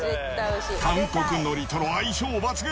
韓国ノリとの相性抜群！